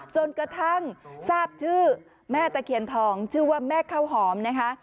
จนกระทั่งทราบชื่อแม่ตะเคียนทองชื่อว่าแม่ข้าวหอมนะคะ